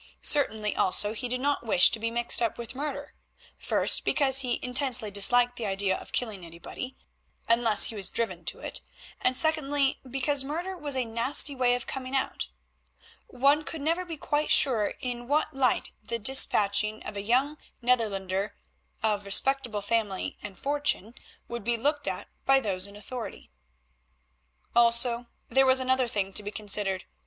Certainly also he did not wish to be mixed up with murder; first, because he intensely disliked the idea of killing anybody, unless he was driven to it; and secondly, because murder has a nasty way of coming out. One could never be quite sure in what light the despatching of a young Netherlander of respectable family and fortune would be looked at by those in authority. Also, there was another thing to be considered.